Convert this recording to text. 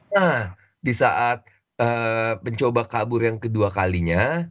nah di saat mencoba kabur yang kedua kalinya